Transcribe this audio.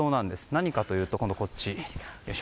何かというと、今度はこっち。